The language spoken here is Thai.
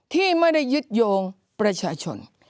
ที่ไม่ได้ยึดโยงประชาชน